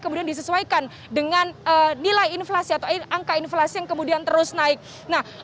kemudian disesuaikan dengan nilai inflasi atau angka inflasi yang kemudian disesuaikan dengan nilai inflasi yang terus mengalami peningkatan